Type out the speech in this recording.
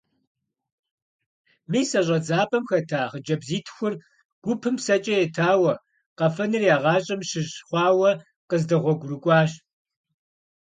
Мис а щӀэдзапӀэм хэта хъыджэбзитхур гупым псэкӀэ етауэ, къэфэныр я гъащӀэм щыщ хъуауэ къыздэгъуэгурыкӀуащ.